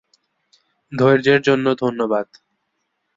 ধৈর্য্যের জন্য ধন্যবাদ।